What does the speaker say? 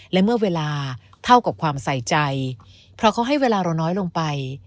และเมื่อเวลาเท่ากับความใส่ใจเพราะเขาให้เวลาเราน้อยลงไป